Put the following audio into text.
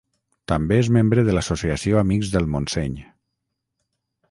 També és membre de l'Associació Amics del Montseny.